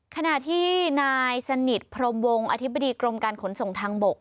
ขณะที่นายสนิทพรมวงอธิบดีกรมการขนส่งทางบก